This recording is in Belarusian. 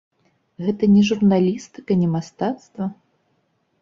Гэта не журналістыка, не мастацтва?